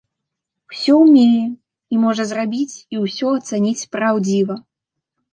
Усё умее і можа зрабіць і ўсё ацаніць праўдзіва.